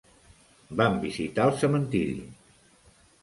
Vam visitar el cementiri.